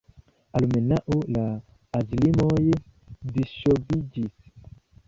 Almenaŭ la aĝlimoj disŝoviĝis.